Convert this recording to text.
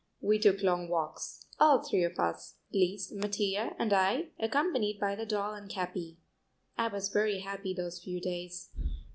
We took long walks, all three of us, Lise, Mattia and I, accompanied by the doll and Capi. I was very happy those few days.